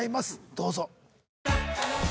どうぞ。